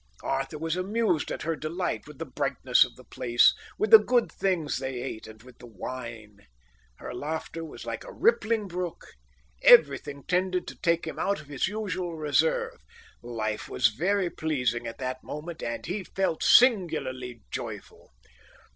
Arthur was amused at her delight with the brightness of the place, with the good things they ate, and with the wine. Her laughter was like a rippling brook. Everything tended to take him out of his usual reserve. Life was very pleasing, at that moment, and he felt singularly joyful.